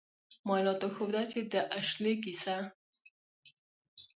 معایناتو ښوده چې د اشلي کیسه